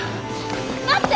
待って！